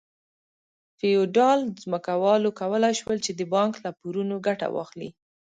فیوډال ځمکوالو کولای شول چې د بانک له پورونو ګټه واخلي.